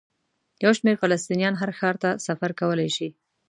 یو شمېر فلسطینیان هر ښار ته سفر کولی شي.